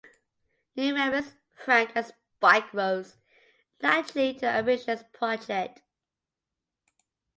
New members Frank and Spike rose naturally to the ambitious project.